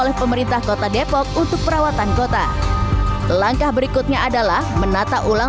tetapi perbedaan informasi tersebut tidak bisa juga dicati sebanyak récupuh darira yang sedang disediakan